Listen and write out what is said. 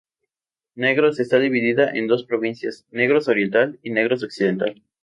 Negros está dividida en dos provincias: Negros Oriental y Negros Occidental.